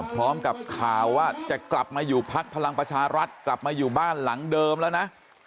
พร้อมกับข่าวว่าจะกลับมาอยู่พักพลังประชารัฐกลับมาอยู่บ้านหลังเดิมแล้วนะ